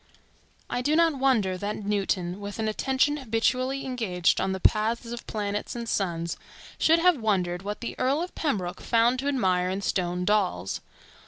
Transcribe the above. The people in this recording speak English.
I do not wonder that Newton, with an attention habitually engaged on the paths of planets and suns, should have wondered what the Earl of Pembroke found to admire in "stone dolls."